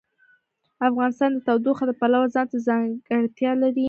افغانستان د تودوخه د پلوه ځانته ځانګړتیا لري.